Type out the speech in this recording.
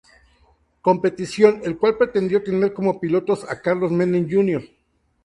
Competición, el cual pretendió tener como pilotos a Carlos Menem Jr.